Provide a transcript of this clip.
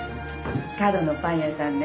角のパン屋さんね？